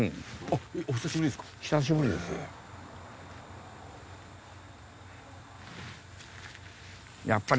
あっお久しぶりですか？